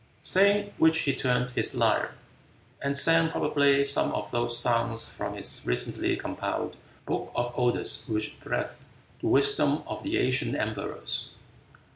Saying which he tuned his lyre, and sang probably some of those songs from his recently compiled Book of Odes which breathed the wisdom of the ancient emperors.